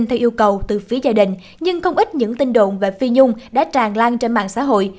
theo yêu cầu từ phía gia đình nhưng không ít những tin đồn về phi nhung đã tràn lan trên mạng xã hội